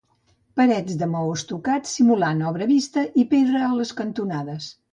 Parets de maó estucats simulant obra vista i pedra a les cantonades.